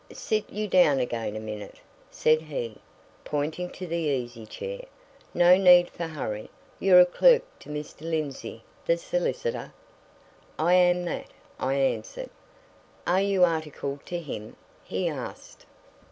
"Sit you down again a minute," said he, pointing to the easy chair. "No need for hurry. You're a clerk to Mr. Lindsey, the solicitor?" "I am that," I answered. "Are you articled to him?" he asked.